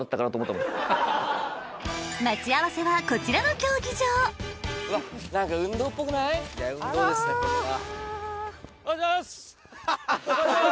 待ち合わせはこちらの競技場いや運動ですねこれは。